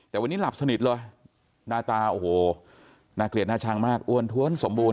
แต่วันนี้หลับสนิทเลยหน้าตาโอ้โหน่าเกลียดหน้าชังมากอ้วนท้วนสมบูรณ